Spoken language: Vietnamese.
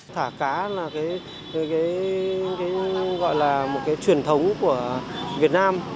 thả cá là một truyền thống của việt nam